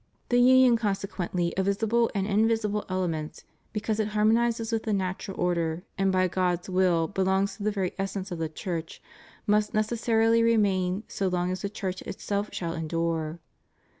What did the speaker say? The union 354 THE UNITY OF THE CHURCH. consequently of visible and invisible elements, because it harmonizes with the natural order and by God's will belongs to the very essence of the Church, must neces sarily remain so long as the Church itself shall endure.